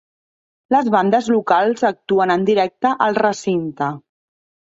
Les bandes locals actuen en directe al recinte.